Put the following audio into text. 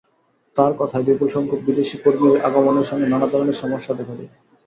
তাঁর কথায়, বিপুলসংখ্যক বিদেশি কর্মীর আগমনের সঙ্গে নানা ধরনের সমস্যাও দেখা দেবে।